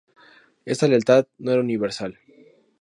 Esta lealtad no era universal.